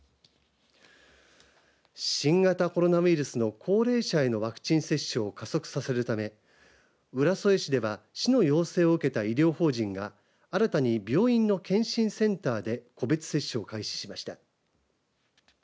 新型コロナウイルスの高齢者へのワクチン接種を加速させるため浦添市では市の要請を受けた医療法人が新たに病院の健診センターで個別接種を開始しました。